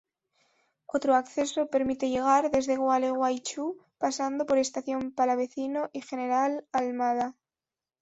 Otro acceso permite llegar desde Gualeguaychú pasando por Estación Palavecino y General Almada.